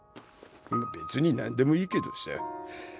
まっ別になんでもいいけどさ。